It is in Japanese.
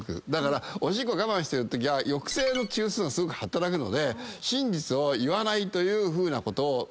おしっこ我慢してるときは抑制の中枢がすごく働くので真実を言わないというふうなことがうまく回る。